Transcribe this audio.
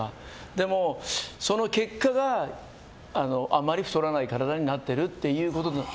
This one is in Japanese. でも、その結果があまり太らない体になってるということだと。